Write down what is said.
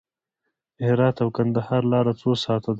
د هرات او کندهار لاره څو ساعته ده؟